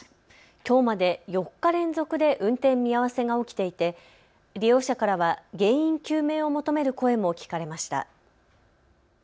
きょうまで４日連続で運転見合わせが起きていて利用者からは原因究明を求める声も聞かれました。